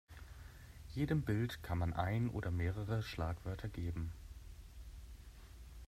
Jedem Bild kann man ein oder mehrere Schlagwörter geben.